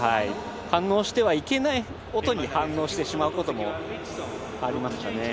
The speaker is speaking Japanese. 反応してはいけない音に反応してしまうこともあります。